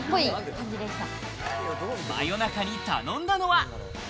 真夜中に頼んだのは。